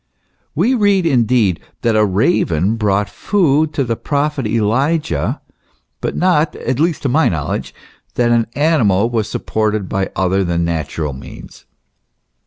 We read indeed that a raven brought food to the prophet Elijah, but not (at least to my knowledge) that an animal was supported by other than natural means.